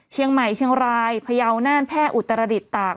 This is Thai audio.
เชียงรายพยาวน่านแพร่อุตรดิษฐ์ตาก